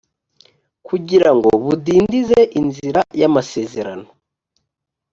kugira ngo budindize inzira y’amasezerano